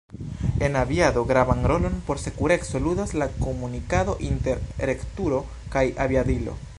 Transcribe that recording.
En aviado gravan rolon por sekureco ludas la komunikado inter regturo kaj aviadilo.